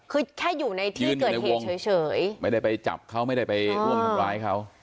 คือแค่อยู่ในที่เกิดเหตุเฉยไม่ได้ไปจับเขาไม่ได้ไปร่วมทำร้ายเขา